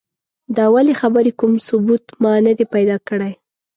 د اولې خبرې کوم ثبوت ما نه دی پیدا کړی.